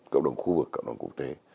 cộng đồng khu vực cộng đồng quốc tế